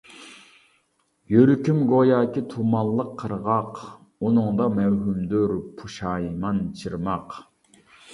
يۈرىكىم گوياكى تۇمانلىق قىرغاق، ئۇنىڭدا مەۋھۇمدۇر پۇشايمان، چىرماق.